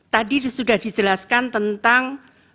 tadi sudah dijelaskan tentang